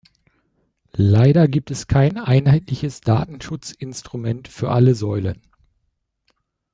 Leider gibt es kein einheitliches Datenschutzinstrument für alle Säulen.